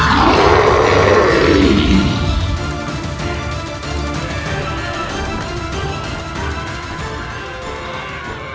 kau ingin menang